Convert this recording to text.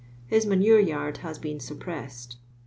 His manure ysid has been suppressed.